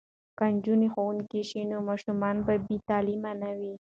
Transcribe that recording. که نجونې ښوونکې شي نو ماشومان به بې تعلیمه نه وي.